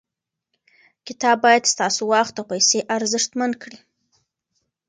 کتاب باید ستاسو وخت او پیسې ارزښتمن کړي.